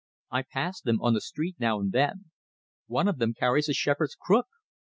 I pass them on the street now and then one of them carries a shepherd's crook!